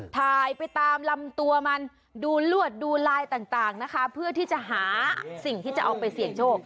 ถ่ายไปตามลำตัวมันดูลวดดูลายต่างนะคะเพื่อที่จะหาสิ่งที่จะเอาไปเสี่ยงโชค